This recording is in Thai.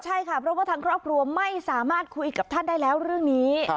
ใช่ค่ะเพราะว่าทางครอบครัวไม่สามารถคุยกับท่านได้แล้วเรื่องนี้